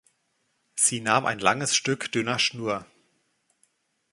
Sie nahm ein langes Stück dünner Schnur.